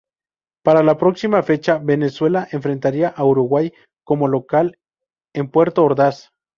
Para la próxima fecha Venezuela enfrentaría a Uruguay como local en Puerto Ordaz.